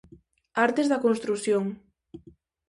Artes da Construción.